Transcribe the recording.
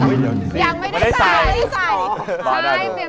ยังไม่ได้ใส่